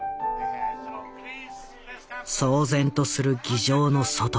騒然とする議場の外